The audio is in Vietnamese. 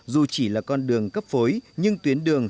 dù chỉ là con đường cấp phối nhưng tuyến đường